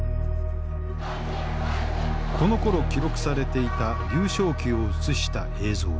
このころ記録されていた劉少奇を映した映像。